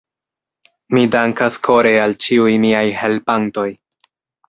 Mi dankas kore al ĉiuj miaj helpantoj.